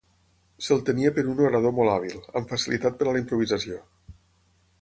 Se'l tenia per un orador molt hàbil, amb facilitat per a la improvisació.